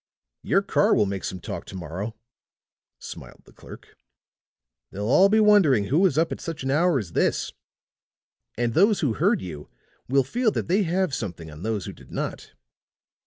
"Your car will make some talk to morrow," smiled the clerk. "They'll all be wondering who was up at such an hour as this. And those who heard you will feel that they have something on those who did not."